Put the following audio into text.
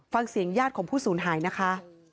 ฟังเสียงญาติของผู้สูญหายนะคะ